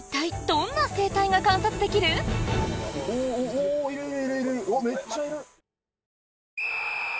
おいるいる。